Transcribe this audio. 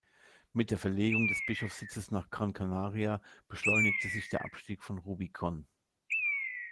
Mit der Verlegung des Bischofssitzes nach Gran Canaria beschleunigte sich der Abstieg von Rubicón.